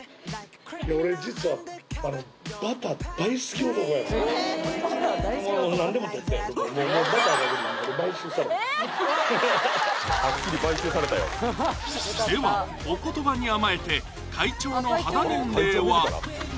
俺ハハハハではお言葉に甘えて会長の肌年齢は？